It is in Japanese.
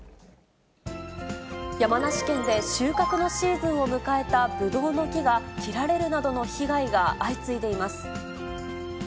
山梨県で収穫のシーズンを迎えたぶどうの木が、切られるなどの被害が相次いでいます。